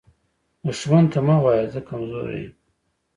دښمن ته مه وایه “زه کمزوری یم”